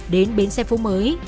đến bến xe phố mới